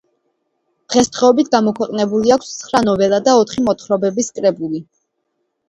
დღესდღეობით, გამოქვეყნებული აქვს ცხრა ნოველა და ოთხი მოთხრობების კრებული.